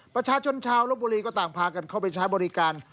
ประชาชนชาวลบบุรีก็ต่างพากันเข้าไปใช้บริการ